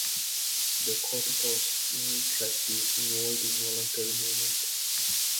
The corticospinal tract is involved in voluntary movement.